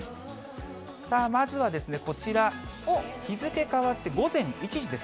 まずはこちら、日付変わって午前１時です。